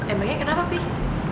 emangnya kenapa pih